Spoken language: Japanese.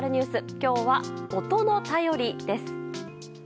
今日は音の便りです。